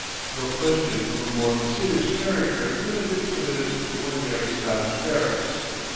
No question of a more serious character could have been submitted to ordinary Scottish parents.